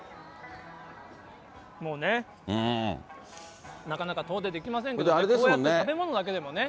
もうね、なかなか遠出できませんけれども、こうやって食べ物だけでもね。